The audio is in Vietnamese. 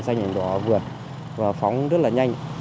xanh đỏ vượt và phóng rất là nhanh